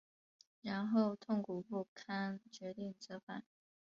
然后痛苦不堪决定折返